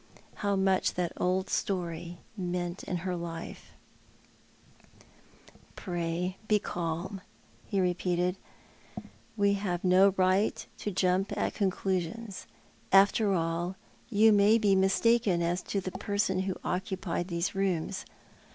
How much that old story meant in her life. The Vicar of St, J tides. 245 " Pray ba calm," lie repeated ;" wc have no right to jump at conclusions. After all, you may be mistaken as to the person who occupied these rooms.